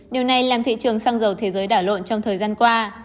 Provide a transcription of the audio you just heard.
điều này làm thị trường xăng dầu thế giới đảo lộn trong thời gian qua